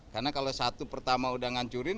karena kalau satu pertama sudah hancurin